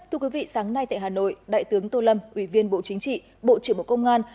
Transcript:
thưa quý vị sáng nay tại hà nội đại tướng tô lâm ủy viên bộ chính trị bộ trưởng bộ công an